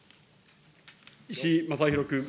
石井正弘君。